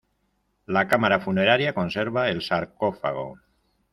La cámara funeraria conserva el sarcófago.